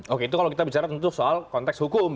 oke itu kalau kita bicara tentu soal konteks hukum